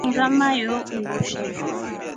Singa maiyoo undusha.